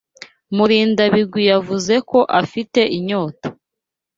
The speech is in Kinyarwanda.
Murindabigwi yavuze ko afite inyota.